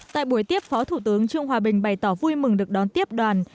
tại buổi tiếp phó thủ tướng trương hòa bình bày tỏ vui mừng được đón tiếp đoàn